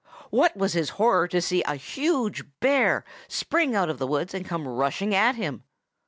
What was his horror to see a huge bear spring out of the woods and come rushing towards him!